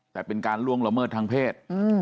แต่เป็นการล่วงละเมิดทางเพศ